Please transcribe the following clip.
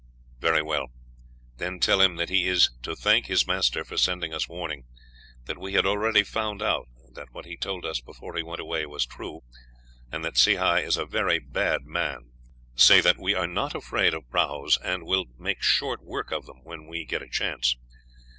"Very well, then, tell him that he is to thank his master for sending us warning; that we had already found out that what he told us before he went away was true, and that Sehi is a very bad man. Say that we are not afraid of prahus, and will make short work of them when we get a chance.